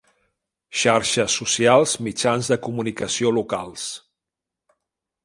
Xarxes socials, mitjans de comunicació locals.